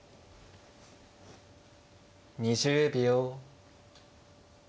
２０秒。